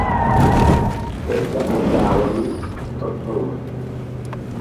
Eega ajaawanii tortoruma.